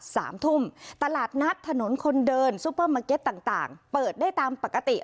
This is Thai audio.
สามทุ่มตลาดนัดถนนคนเดินต่างต่างเปิดได้ตามปกติ